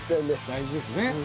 大事ですね。